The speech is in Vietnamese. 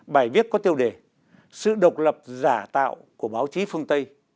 bài viết có tiêu đề sự độc lập giả tạo của báo chí phương tây